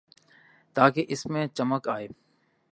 تاکہ اس میں چمک آئے۔